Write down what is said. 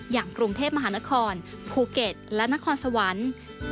อย่างกรุงเทพมหานครภูเก็ตและนครสวรรค์